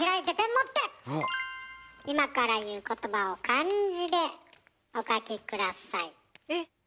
今から言う言葉を漢字でお書き下さい。